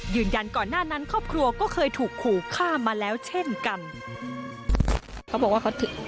ยืนยันก่อนหน้านั้นครอบครัวก็เคยถูกขู่ฆ่ามาแล้วเช่นกันเขาบอกว่าเขาถือ